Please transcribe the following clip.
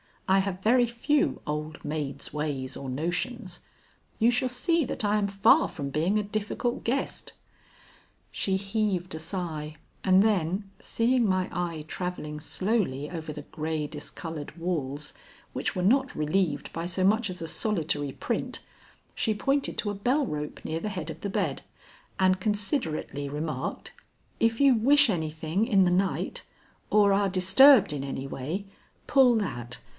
I have very few old maid's ways or notions. You shall see that I am far from being a difficult guest." She heaved a sigh, and then, seeing my eye travelling slowly over the gray discolored walls which were not relieved by so much as a solitary print, she pointed to a bell rope near the head of the bed, and considerately remarked: "If you wish anything in the night, or are disturbed in any way, pull that.